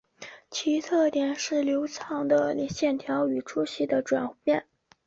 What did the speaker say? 其特点是流畅的线条与粗细的转换。